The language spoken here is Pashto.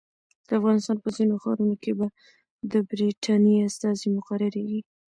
د افغانستان په ځینو ښارونو کې به د برټانیې استازي مقرریږي.